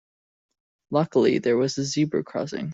Luckily there was a zebra crossing.